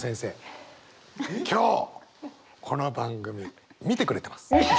今日この番組見てくれてます。